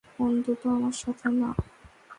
অন্তত আমার সাথে না!